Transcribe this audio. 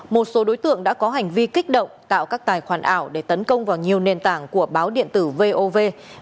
một số đối tượng đã có hành vi kích động tạo các tài khoản ảo để tấn công vào nhiều nền tảng của báo điện tử vov